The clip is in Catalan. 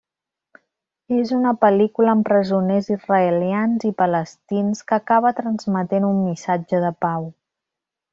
És una pel·lícula amb presoners israelians i palestins que acaba transmetent un missatge de pau.